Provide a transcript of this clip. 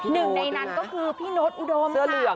เสื้อเหลืองใช่ไหมน่ะ